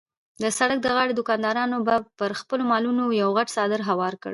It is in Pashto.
د سړک د غاړې دوکاندارانو به پر خپلو مالونو یو غټ څادر هوار کړ.